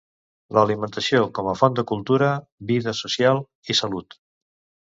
L'alimentació com a font de cultura, vida social i salut.